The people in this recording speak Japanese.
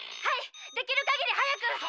はいできるかぎり早く。